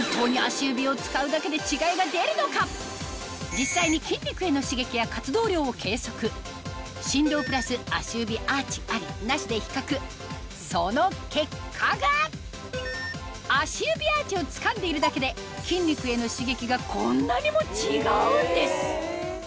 実際にで比較その結果が足指アーチをつかんでいるだけで筋肉への刺激がこんなにも違うんです